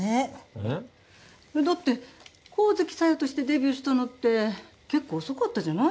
えっ？だって神月沙代としてデビューしたのって結構遅かったじゃない？